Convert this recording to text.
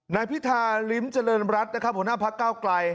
นายพิธาลิ้มเจริญรัฐนะครับหัวหน้าพักเก้าไกล